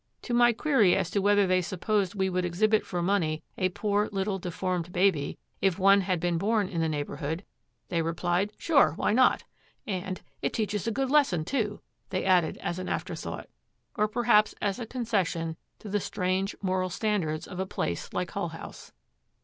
To my query as to whether they supposed we would exhibit for money a poor little deformed baby, if one had been born in the neighborhood, they replied, 'Sure, why not?' and, 'It teaches a good lesson, too,' they added as an afterthought, or perhaps as a concession to the strange moral standards of a place like Hull House.